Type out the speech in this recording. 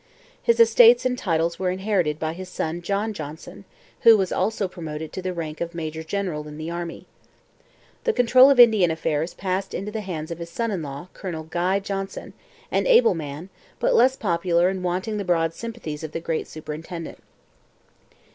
His estates and titles were inherited by his son John Johnson, who was also promoted to the rank of major general in the army. The control of Indian Affairs passed into the hands of his son in law, Colonel Guy Johnson, an able man, but less popular and wanting the broad sympathies of the great superintendent.